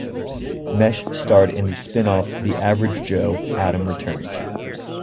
Mesh starred in the spin-off "The Average Joe - Adam Returns".